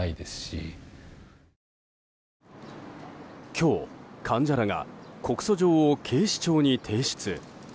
今日、患者らが告訴状を警視庁に提出。